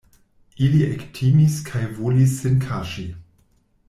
Ili ektimis kaj volis sin kaŝi.